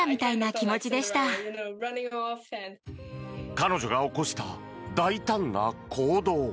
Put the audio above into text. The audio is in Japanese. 彼女が起こした大胆な行動。